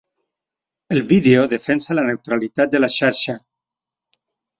El vídeo defensa la neutralitat de la xarxa.